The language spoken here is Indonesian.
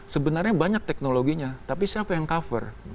sebenarnya banyak teknologinya tapi siapa yang cover